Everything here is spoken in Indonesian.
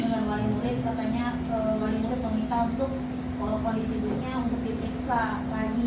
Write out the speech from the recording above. yang wali murid katanya wali murid meminta untuk kalau kondisi berikutnya untuk dipiksa lagi